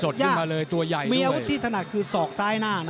แต่ว่าสดชกยากมีอาวุธที่ถนัดคือสอกซ้ายหน้า